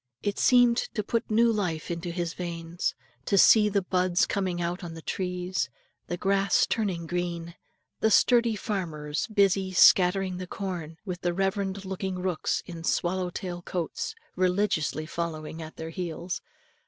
It seemed to put new life into his veins, to see the buds coming out on the trees, the grass turning green, and the sturdy farmers busy scattering the corn, with the reverend looking rooks in swallowtail coats, religiously following at their heels.